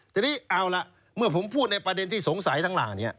ทีนี้เอาล่ะเมื่อผมพูดในประเด็นที่สงสัยทั้งหลังนี้